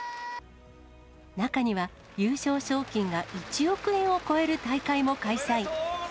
中には、優勝賞金が１億円を超える大会も開催。